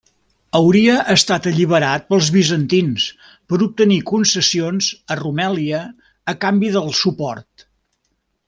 Hauria estat alliberat pels bizantins per obtenir concessions a Rumèlia a canvi del suport.